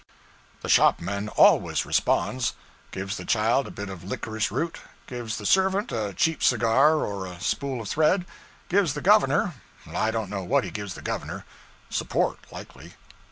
The shopman always responds; gives the child a bit of licorice root, gives the servant a cheap cigar or a spool of thread, gives the governor I don't know what he gives the governor; support, likely.